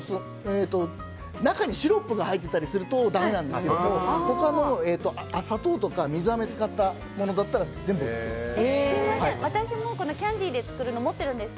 中にシロップが入っていたりするとだめですが砂糖とか水あめ使ったものだったら全部ＯＫです。